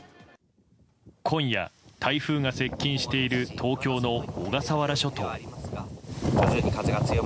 今夜、台風が接近している東京の小笠原諸島。